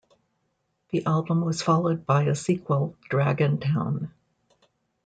The album was followed by a sequel "Dragontown".